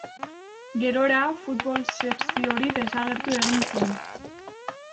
Gerora, futbol sekzio hori desagertu egin zen.